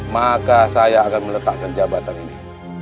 maka saya akan meletakkan jabatan ini